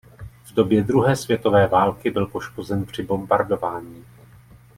V době druhé světové války byl poškozen při bombardování.